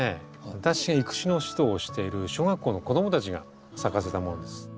私が育種の指導をしている小学校の子供たちが咲かせたものです。